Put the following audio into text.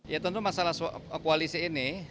ya tentu masalah koalisi ini